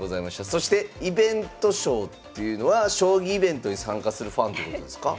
そしてイベント将っていうのは将棋イベントに参加するファンってことですか？